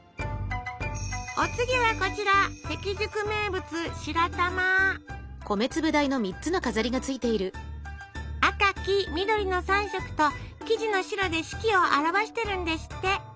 お次はこちら関宿名物赤黄緑の３色と生地の白で四季を表してるんですって！